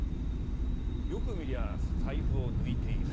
よく見りゃ財布を抜いている。